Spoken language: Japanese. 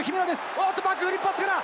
おっと、バックフリップパスだ。